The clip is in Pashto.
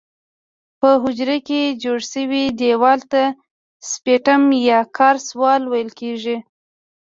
په حجره کې جوړ شوي دیوال ته سپټم یا کراس وال ویل کیږي.